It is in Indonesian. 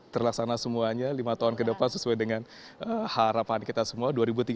terlaksana semuanya lima tahun ke depan sesuai dengan harapan kita semua